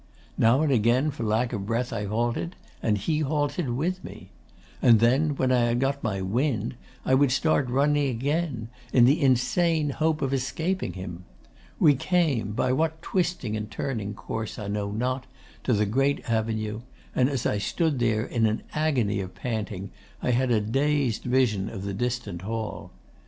Now and again, for lack of breath, I halted, and he halted with me. And then, when I had got my wind, I would start running again, in the insane hope of escaping him. We came, by what twisting and turning course I know not, to the great avenue, and as I stood there in an agony of panting I had a dazed vision of the distant Hall.